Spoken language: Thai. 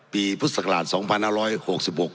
ปีพฤษฎครานสองพันห้าร้อยหกสิบหก